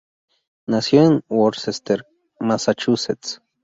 Nació en Worcester, Massachusetts.